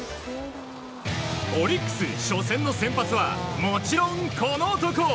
オリックス、初戦の先発はもちろんこの男。